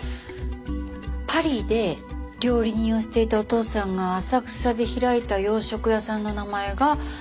パリで料理人をしていたお父さんが浅草で開いた洋食屋さんの名前がナポリさん。